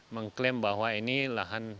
mengklaim bahwa ini lahan